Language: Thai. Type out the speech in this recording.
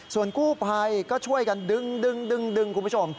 ส่วนกู้ไพก็ช่วยกันดึงดึงดึงดึงคุณผู้ชม